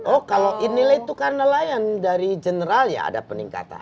oh kalau inilah itu kan nelayan dari general ya ada peningkatan